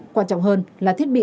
quan trọng hơn là thiết bị